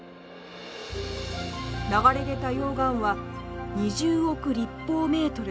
流れ出た溶岩は２０億立方メートル。